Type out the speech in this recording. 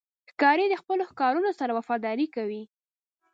ښکاري د خپلو ښکارونو سره وفاداري کوي.